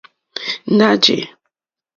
Ná jè.